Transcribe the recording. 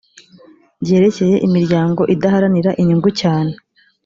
ryerekeye imiryango idaharanira inyungu cyane